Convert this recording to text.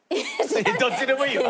どっちでもいいわ！